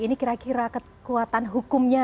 ini kira kira kekuatan hukumnya